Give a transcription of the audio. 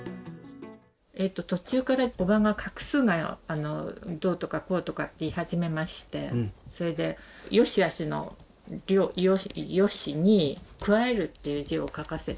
途中から叔母が画数がどうとかこうとか言い始めましてそれでよしあしの「良」に加えるっていう字を書かせて。